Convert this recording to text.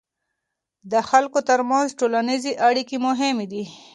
د خلکو ترمنځ ټولنیزې اړیکې مهمې دي.